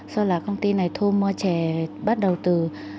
sau là công ty này thu mua chè bắt đầu từ